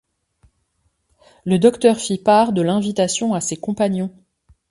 Le docteur fit part de l’invitation à ses compagnons.